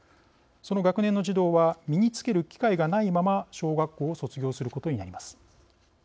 その学年の児童は身につける機会がないまま小学校を卒業することになります。